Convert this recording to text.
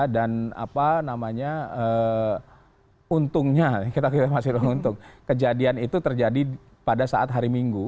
dan untungnya kita masih untung kejadian itu terjadi pada saat hari minggu